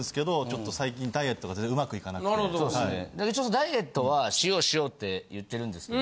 ダイエットはしようしようって言ってるんですけど。